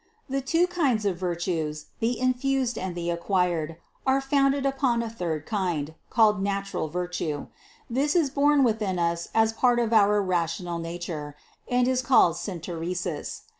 484. The two kinds of virtues, the infused and the ac quired, are founded upon a third kind, called natural vir tue ; this is born within us as part of our rational nature and is called synteresis.